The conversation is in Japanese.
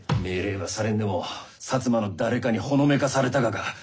命令はされんでも摩の誰かにほのめかされたがか。